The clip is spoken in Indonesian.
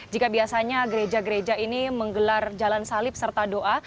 jika biasanya gereja gereja ini menggelar jalan salib serta doa